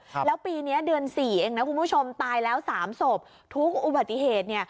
ครับแล้วปีเนี้ยเดือนสี่เองนะคุณผู้ชมตายแล้วสามศพทุกอุบัติเหตุเนี่ย